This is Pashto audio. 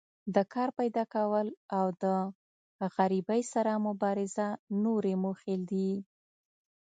د کار پیداکول او د غریبۍ سره مبارزه نورې موخې دي.